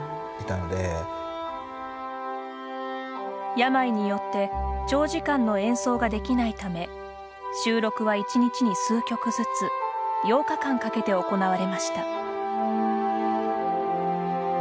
病によって長時間の演奏ができないため収録は１日に数曲ずつ８日間かけて行われました。